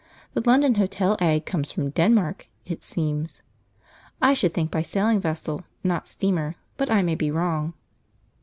The London hotel egg comes from Denmark, it seems, I should think by sailing vessel, not steamer, but I may be wrong.